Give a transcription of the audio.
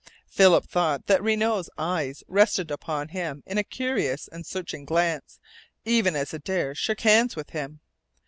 Philip thought that Renault's eyes rested upon him in a curious and searching glance even as Adare shook hands with him.